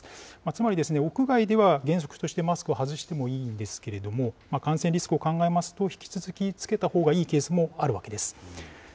つまり、屋外では原則としてマスクを外してもいいんですけれども、感染リスクを考えますと、引き続き、着けたほうがいいケースもあるわけです。